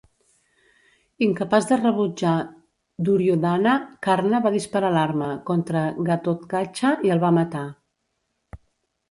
Incapaç de rebutjar Duryodhana, Karna va disparar l'arma contra Ghatotkacha i el va matar.